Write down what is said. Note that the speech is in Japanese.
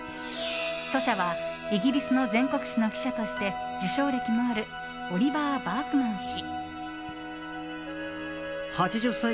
著者は、イギリスの全国紙の記者として受賞歴もあるオリバー・バークマン氏。